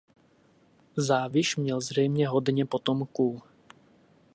Záviš měl zřejmě hodně potomků.